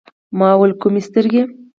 ما ویل: کومي سترګي ؟